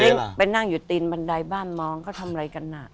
ไปนั่งอยู่ตีนบันไดบ้านมองเขาทำอะไรกันน่ะ